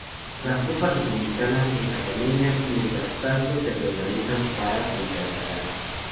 Las tropas republicanas en Cataluña, mientras tanto, se reorganizaron para contraatacar.